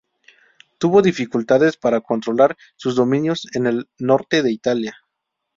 Tuvo dificultades para controlar sus dominios en el norte de Italia.